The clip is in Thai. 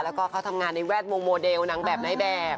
แล้วก็เขาทำงานในแวดวงโมเดลนางแบบนายแบบ